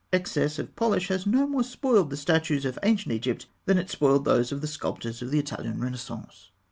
Excess of polish has no more spoiled the statues of Ancient Egypt than it spoiled those of the sculptors of the Italian Renaissance.